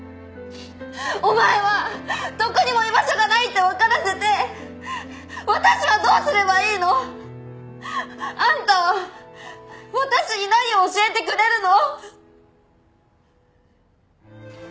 お前はどこにも居場所がないって分からせて私はどうすればいいの？あんたは私に何を教えてくれるの？